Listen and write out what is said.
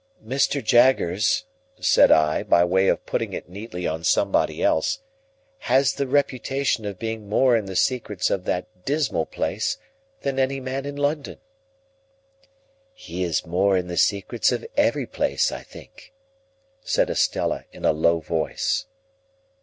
"Mr. Jaggers," said I, by way of putting it neatly on somebody else, "has the reputation of being more in the secrets of that dismal place than any man in London." "He is more in the secrets of every place, I think," said Estella, in a low voice.